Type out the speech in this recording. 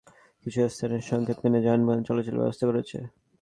পরীক্ষামূলকভাবে গতকাল কিছু কিছু স্থানে সংকেত মেনে যানবাহন চলাচলের ব্যবস্থা করা হয়েছে।